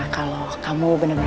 kalau kamu benar benar